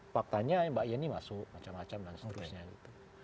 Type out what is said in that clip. faktanya mbak yeni masuk macam macam dan seterusnya gitu